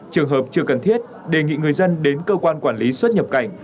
trường hợp chưa cần thiết đề nghị người dân đến cơ quan quản lý xuất nhập cảnh